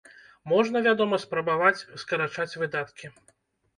Можна, вядома, спрабаваць скарачаць выдаткі.